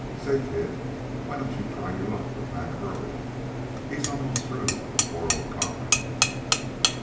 "Say, kid, why don't you try your luck with Mac Hurley? He's almost through with poor old Cochrane."